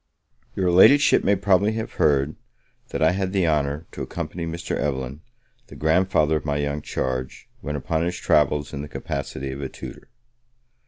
Your Ladyship may probably have heard, that I had the honour to accompany Mr. Evelyn, the grandfather of my young charge, when upon his travels, in the capacity of a tutor.